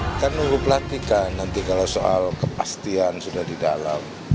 kita nunggu pelantikan nanti kalau soal kepastian sudah di dalam